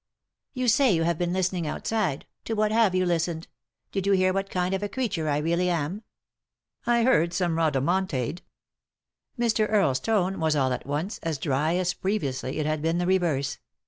" You say you have been listening outside— to what have you listened? Did you hear what kind of a creature I really am ?"" I heard some rhodomontade." Mr. Earle's tone was, all at once, as dry as previously it had been the reverse.